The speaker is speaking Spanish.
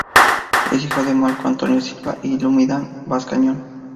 Es hijo de Marco Antonio Silva y Ludmila Bascuñán.